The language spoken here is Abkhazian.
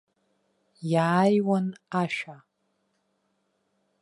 Иааиуан ашәа.